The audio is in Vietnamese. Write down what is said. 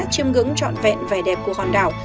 chiêm ngưỡng trọn vẹn vẻ đẹp của hòn đảo